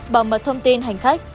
bằng mật thông tin hành khách